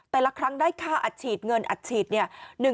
แต่ละครั้งได้ค่าอัดฉีดเงินอัดฉีดเนี่ย